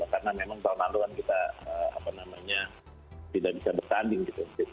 karena memang tahun lalu kan kita tidak bisa bertanding gitu